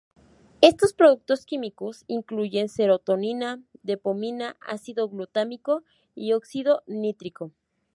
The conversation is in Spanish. Estos productos químicos incluyen serotonina, dopamina, ácido glutámico y óxido nítrico.